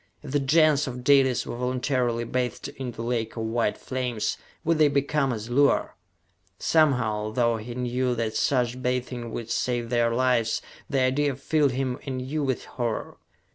If the Gens of Dalis were voluntarily bathed in the lake of white flames, would they become as Luar? Somehow, though he knew that such bathing would save their lives, the idea filled him anew with horror.